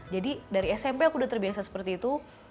jadi dari smp aku udah terbiasa seperti itu